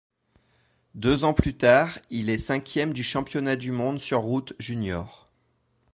Deux ans plus tard, il est cinquième du championnat du monde sur route juniors.